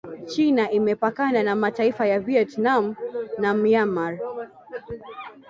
China imepakana na mataifa ya Vietnam na Myanmar